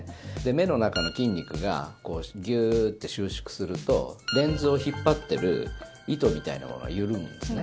目の中の筋肉がこうギューッて収縮するとレンズを引っ張っている糸みたいなのが緩むんですね。